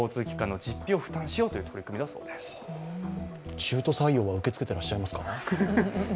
中途採用は受け付けてらっしゃいますか？